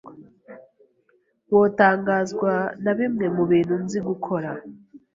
Wotangazwa na bimwe mubintu nzi gukora.